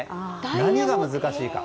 何が難しいか。